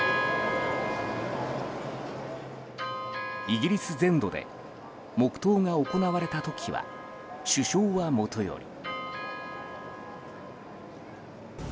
イギリス全土で黙祷が行われた時は首相はもとより。